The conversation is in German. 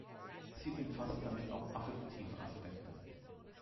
Sie umfasst damit auch affektive Aspekte.